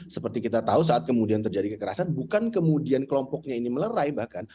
seperti kita tahu saat kemudian terjadi kekerasan bukan kemudian kelompoknya ini melerai bahkan